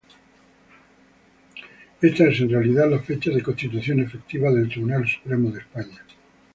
Esta es, en realidad, la fecha de constitución efectiva del Tribunal Supremo de España.